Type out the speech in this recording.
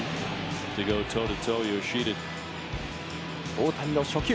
大谷の初球。